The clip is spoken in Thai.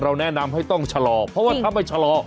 แนะนำให้ต้องชะลอเพราะว่าถ้าไม่ชะลอ